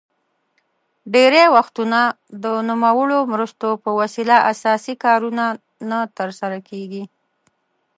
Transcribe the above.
ډیری وختونه د نوموړو مرستو په وسیله اساسي کارونه نه تر سره کیږي.